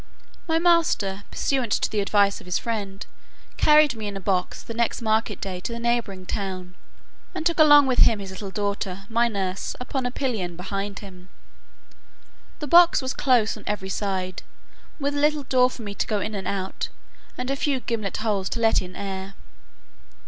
My master, pursuant to the advice of his friend, carried me in a box the next market day to the neighbouring town, and took along with him his little daughter, my nurse, upon a pillion behind him. The box was close on every side, with a little door for me to go in and out, and a few gimlet holes to let in air.